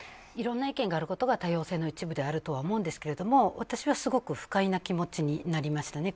いろんな意見があることが多様性の一部であると思いますが私はすごく不快な気持ちになりました。